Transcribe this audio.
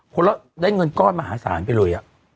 คนเราได้เงินก้อนมาหาสารไปเลย